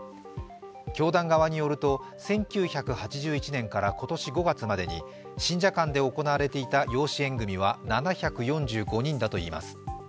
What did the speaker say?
教団側によると１９８１年から今年５月までに信者間で行われていた養子縁組は７４５人だといいます。